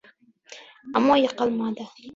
Ammo yiqilmadi.